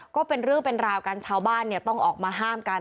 ก็เป็นเรื่องเป็นราวกันชาวบ้านต้องออกมาห้ามกัน